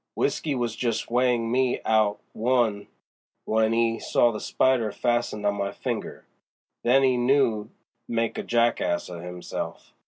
W'isky was just weighin' me out one w'en 'e saw the spider fastened on my finger; then 'e knew he'd made a jack ass of 'imself.